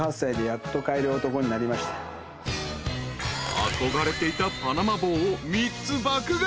［憧れていたパナマ帽を３つ爆買い。